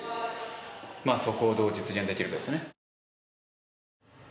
そこをどう実現できるかですね。